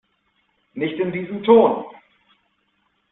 Nicht in diesem Ton!